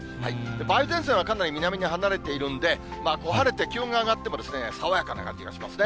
梅雨前線はかなり南に離れてるんで、晴れて気温が上がっても、爽やかな感じがしますね。